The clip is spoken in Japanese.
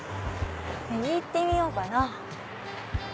右行ってみようかな。